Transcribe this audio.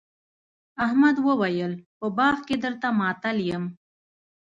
احمد وويل: په باغ کې درته ماتل یم.